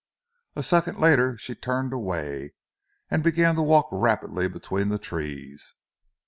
A second later she turned away, and began to walk rapidly between the trees.